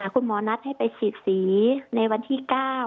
คุณหมอนัดให้ไปฉีดสีในวันที่๙